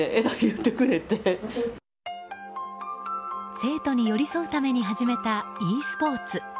生徒に寄り添うために始めたｅスポーツ。